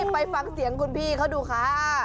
ไปฟังเสียงคุณพี่เขาดูค่ะ